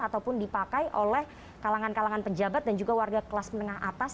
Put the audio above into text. ataupun dipakai oleh kalangan kalangan pejabat dan juga warga kelas menengah atas